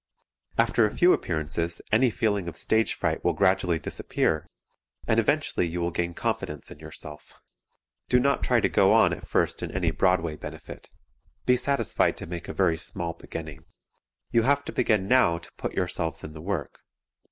After a few appearances any feeling of stage fright will gradually disappear, and eventually you will gain confidence in yourself. Do not try to go on at first in any Broadway benefit. Be satisfied to make a very small beginning. You have to begin now to put yourselves in the work.